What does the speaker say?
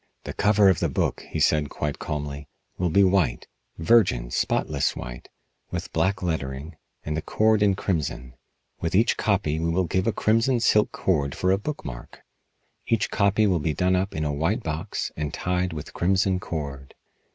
"The cover of the book," he said quite calmly, "will be white virgin, spotless white with black lettering, and the cord in crimson. With each copy we will give a crimson silk cord for a book mark. Each copy will be done up in a white box and tied with crimson cord."